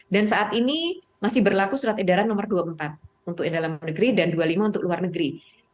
dan saat ini masih berlaku surat edaran nomor dua puluh empat untuk di dalam negeri dan dua puluh lima untuk luar negeri